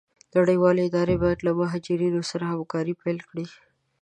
نړيوالي اداري بايد له مهاجرينو سره همکاري پيل کړي.